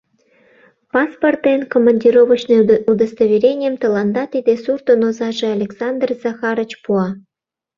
Паспорт ден командировочный удостоверенийым тыланда тиде суртын озаже — Александр Захарыч пуа.